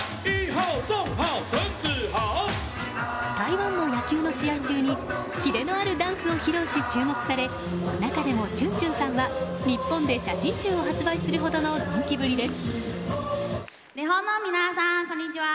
台湾の野球の試合中にキレのあるダンスを披露し注目され、中でもチュンチュンさんは日本で写真集を発売するほど人気ぶりです。